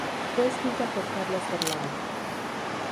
Fue escrita por Carlos Berlanga.